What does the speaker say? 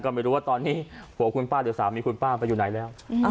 ก็ไม่รู้ว่าตอนนี้หัวคุณป้าหรือสามีคุณป้าไปอยู่ไหนแล้ว